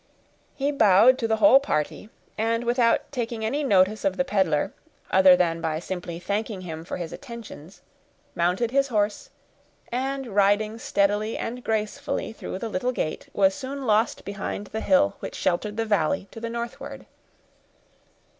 He bowed to the whole party, and without taking any notice of the peddler, other than by simply thanking him for his attentions, mounted his horse, and, riding steadily and gracefully through the little gate, was soon lost behind the hill which sheltered the valley to the northward.